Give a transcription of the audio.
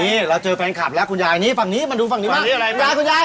นี่เราเจอแฟนคลับแล้วคุณยายนี่ฝั่งนี้มาดูฝั่งนี้มานี่อะไรคุณยายคุณยาย